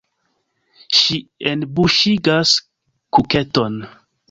Ŝi enbuŝigas kuketon.